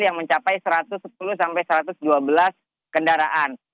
yang mencapai satu ratus sepuluh sampai satu ratus dua belas kendaraan